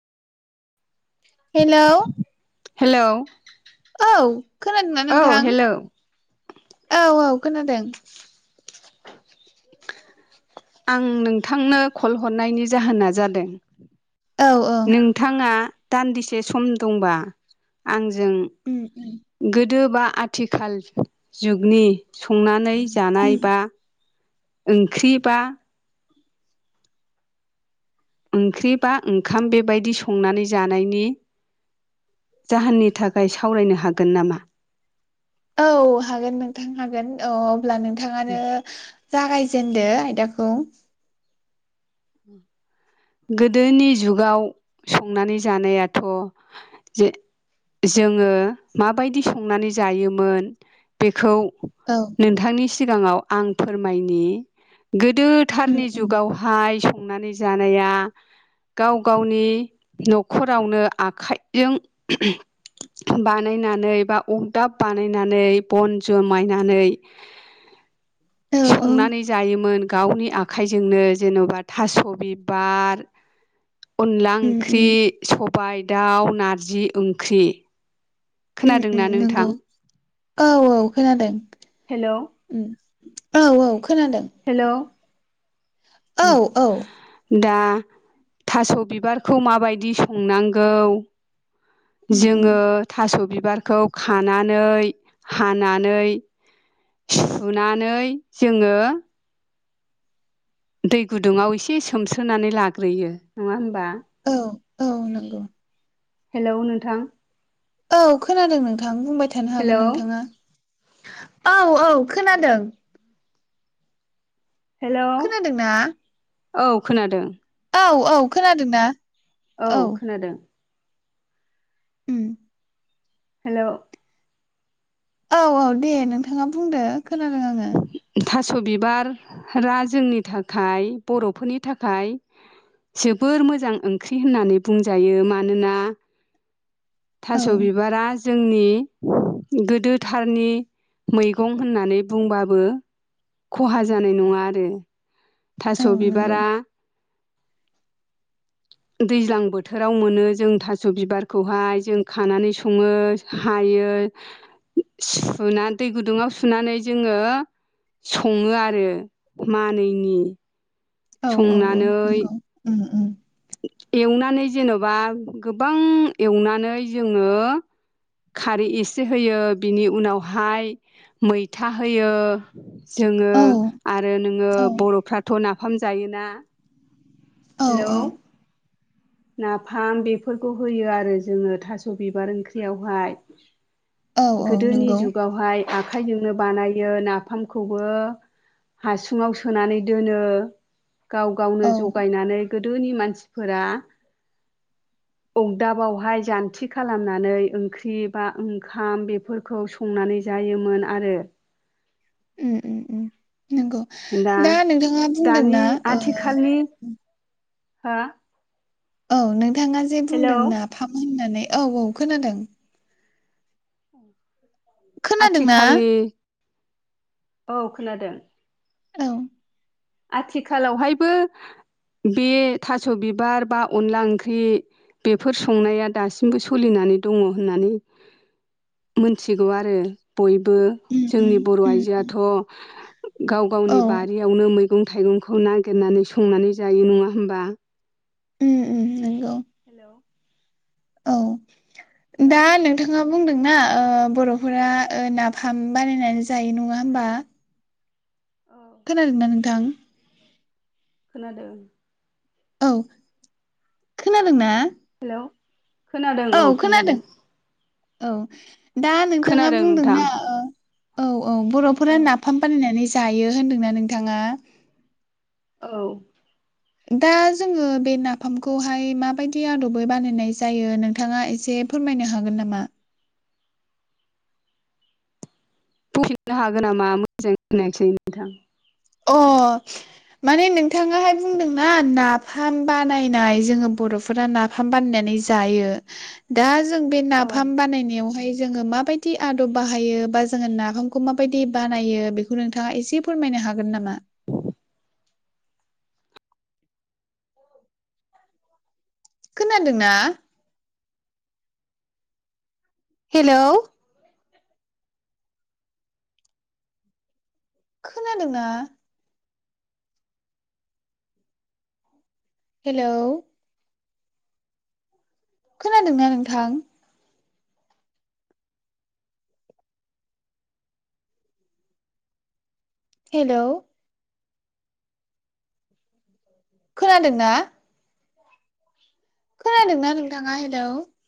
Hello hello औ खोनादोंना औ नोंथां? हेलौ औ औ खोनादों आं नोंथांनो कल हरनायनि जाहोना जादों औ औ नोंथाङा दान्दिसे सम दंबा आंजों उम उम गोदो बा आथिखाल जुगनि संनानै उम जानाय बा ओंख्रिबा ओंख्रि बा ओंखाम बेबायदि संनानै जानायनि जाहोननि थाखाय सावरायनो हागोन नामा? औ हागोन नोंथां हागोन औ अब्ला नोंथाङानो जागायजेनदो आयदाखौ गोदोनि जुगाव संनानै जानायाथ' जे जोङो माबायदि संनानै जायोमोन बेखौ औ नोंथांनि सिगाङाव आं फोरमायनि उम गोदोथारनि उम जुगावहाय संनानै जानाया गाव गावनि न'खरावनो आखाइजों बानायनानै बा अरदाब बानायनानै बन जोमायनानै औ औ संनानै जायोमोन गावनि आखाइजोंनो जेन'बा थास' बिबार, अनला उम ओंख्रि उम सबाय दाउ नारजि ओंख्रि उम उम खोनादोंना नोंथां नंगौ औ औ खोनादों। हेल' उम औ औ खोनादों। हेल' औ औ दा थास' बिबारखौ माबायदि संनांगौ उम उम जोङो थास' बिबारखौ खानानै हानानै सुनानै जोङो दै गुदुङाव एसे सोमस्रोनानै लाग्रोयो नङा होमबा? औ औ नंगौ। हेलौ नोंथां? औ खोनादों नोंथां बुंबाय थानो हागोन हेलौ नोंथाङा औ औ खोनादों। हेल' खोनादोंना औ खोनादों। औ औ खोनादोंना? औ खोनादों। उम हेल' औ औ दे नोंथाङा बुंदो। खोनादों आङो। थास' बिबारा जोंनि थाखाय बर'फोरनि थाखाय जोबोर मोजां ओंख्रि होननानै बुंजायो मानोना औ थास' बिबारा जोंनि गोदोथारनि मैगं होननानै बुंबाबो खहा जानाय नङा आरो औ थास' नंगौ बिबारा दैज्लां बोथोराव मोनो जों थास' बिबारखौहाय जों खानानै सङो। हायो सुना दै गुदुङाव सुनानै जोङो सङो आरो मानैैनि औ औ औ संनानै नंगौ उम उम एवनानै जेन'बा गोबां एवनानै जोङो खारै एसे होयो बिनि उनावहाय मैथा होयो। जोङो औ आरो नोङो औ बर'फ्राथ' नाफाम जायोना। औ औ हेल' नाफाम बेफोरखौ होयो आरो जोङो थास' बिबार ओंख्रियावहाय औ औ गोदोनि नंगौ जुगावहाय आखाइजोंनो बानायो नाफामखौबो हासुङाव सोनानै दोनो गाव गावनो औ जगायनानै गोदोनि मानसिफोरा अगदाबावहाय जान्थि खालामनानै ओंख्रि बा ओंखाम बेफोर खौ संनानै जायोमोन आरो नंगौ दा नोंथाङा बुंदोंना दानि हो औ नोंथाङा जे हेलौ बुंदों ना फाफ होननानै औ औ खोनादों खोनादोंना आथिखालनि औ खोनादों औ आथिखालावहायबो बे थास' बिबार बा अनला ओंख्रि बेफोर संनाया दासिमबो सोलिनानै दङ होननानै मोनथिगौ आरो बयबो। उम उम जोंनि बर' उम आइजोआथ' गाव औ गावनि बारियावनो मै मैगं थाइगंखौ नागिरनानै संनानै जायो नङा होमबा? उम उम नंगौ हेल' औ हेलौ दा नोंथाङा बुंदोंना बर'फोरा नाफाम बानायनानै जायो नङा होमबा औ खोनादोंना नोंथां खोनादों औ खोनादों ना हेलौ औ खोनादों औ दा नोंथाङा खोनादों नोंथां बुंदोंना औ औ बर'फोरा औ नाफाम बानायनानै जायो होनदोंना नोंथाङा औ दा जोङो बे नाफामखौहाय माबायदि आदबै बानायनाय जायो नोंथाङा एसे फोरमायनो हागोन नामा बुंफिननो हागोन नामा मोजां होनायसै नोंथां अ माने नोंथाङाहाय बुंदोंना नाफाम बानायनाय जोङो बर'फोरा नाफ फाम बानायनानै ज ज औ नाफाम बानायनायाव ज माय खाि आदब बाहायो बा जोङो नाफामखौ माबायदि बानायो बेखौ नोंथाङा एसे फोरमायनो हागोन हागोन नामा खोनादोंना हेल' खोनादोंना हेलौ खोनादोंना नोंथां हेल' खोनादोंना खोनादोंना नोंथाङा हेलौ